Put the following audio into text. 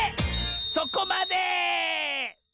そこまで！